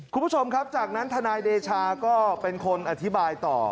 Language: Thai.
คุณผู้ชมครับจากนั้นทนายเดชาก็เป็นคนอธิบายต่อ